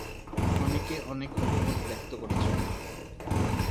অনেকে অনেক অভিমত ব্যক্ত করেছেন।